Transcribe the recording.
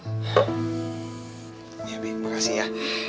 nih abie makasih ya